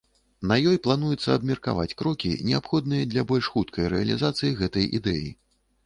На ёй плануецца абмеркаваць крокі, неабходныя для больш хуткай рэалізацыі гэтай ідэі.